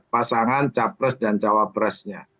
pasangan cawa pres dan cawa presnya